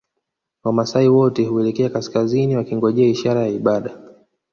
Wamaasai wote huelekea kaskazini wakingojea ishara ya ibada